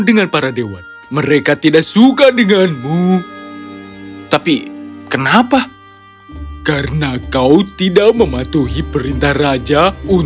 dengan para dewan mereka tidak suka denganmu tapi kenapa karena kau tidak mematuhi perintah raja